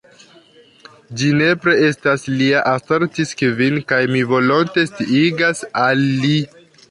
"Ĝi nepre estas lia," asertis Kvin, "kaj mi volonte sciigas al li.